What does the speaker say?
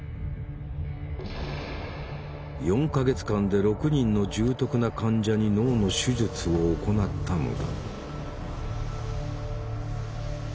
４か月間で６人の重篤な患者に脳の手術を行ったのだ。